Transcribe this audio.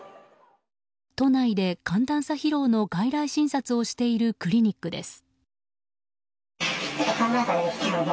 都内で寒暖差疲労の外来診察をしているクリニックです。